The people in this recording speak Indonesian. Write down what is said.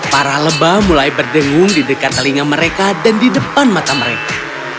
para lebah mulai berdengung di dekat telinga mereka dan di depan mata mereka